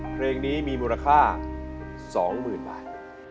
เพลงนี้มีมูลค่าสองหมื่นบาท